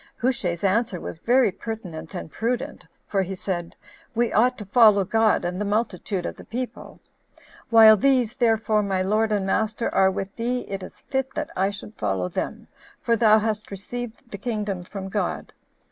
Hushai's answer was very pertinent and prudent; for he said, "We ought to follow God and the multitude of the people; while these, therefore, my lord and master, are with thee, it is fit that I should follow them, for thou hast received the kingdom from God.